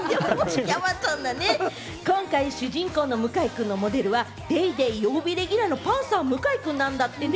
今回主人公の向井くんのモデルは『ＤａｙＤａｙ．』曜日レギュラーのパンサー・向井くんなんだってね。